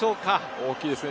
大きいですね。